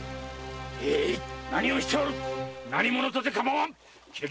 何をしておる何者とてかまわぬ。